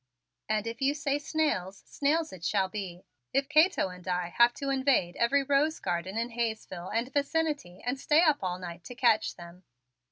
"And if you say snails, snails it shall be, if Cato and I have to invade every rose garden in Hayesville and vicinity and stay up all night to catch them."